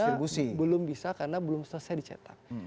ya belum bisa karena belum selesai dicetak